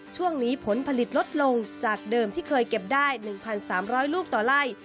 ผลผลิตลดลงจากเดิมที่เคยเก็บได้๑๓๐๐ลูกต่อไล่